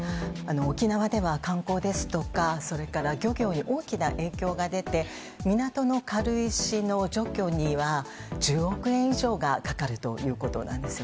沖縄では観光ですとか、それから漁業に大きな影響が出て、港の軽石の除去には、１０億円以上がかかるということなんですよ